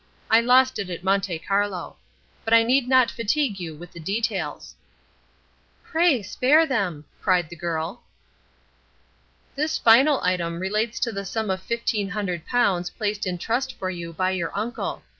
I lost it at Monte Carlo. But I need not fatigue you with the details." "Pray spare them," cried the girl. "This final item relates to the sum of fifteen hundred pounds placed in trust for you by your uncle.